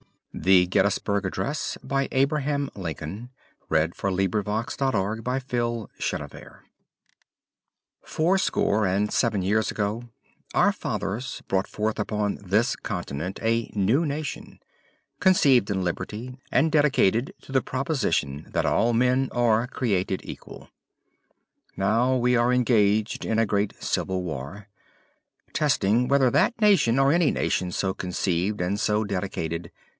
Address, given November 19, 1863 on the battlefield near Gettysburg, Pennsylvania, USA Four score and seven years ago, our fathers brought forth upon this continent a new nation: conceived in liberty, and dedicated to the proposition that all men are created equal. Now we are engaged in a great civil war. . .testing whether that nation, or any nation so conceived and so dedicated.